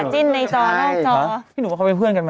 โถ